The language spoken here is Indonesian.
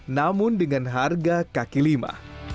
namun dengan harga kaki lima